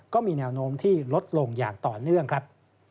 ก็มีแนวโน้มที่ลดลงอย่างต่อเนื่องครับ